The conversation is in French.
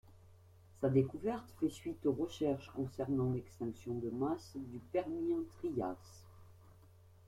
Sa découverte fait suite aux recherches concernant l'extinction de masse du Permien-Trias.